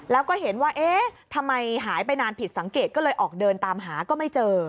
แล้วก็เห็นว่าเอ๊ะทำไมหายไปนานผิดสังเกตก็เลยออกเดินตามหาก็ไม่เจอ